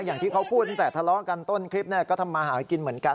อย่างที่เขาพูดตั้งแต่ทะเลาะกันต้นคลิปก็ทำมาหากินเหมือนกัน